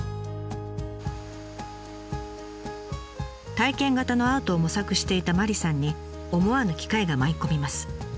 体験型のアートを模索していた麻里さんに思わぬ機会が舞い込みます。